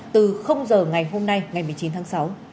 từ giờ ngày hôm nay ngày một mươi chín tháng sáu